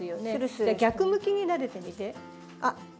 じゃあ逆向きになでてみて。